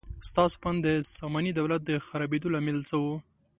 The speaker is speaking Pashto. ستاسو په اند د ساماني دولت د خرابېدو لامل څه و؟